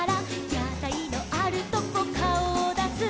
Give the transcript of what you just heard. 「やたいのあるとこかおをだす」